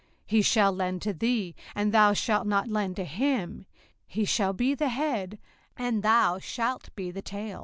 05:028:044 He shall lend to thee, and thou shalt not lend to him: he shall be the head, and thou shalt be the tail.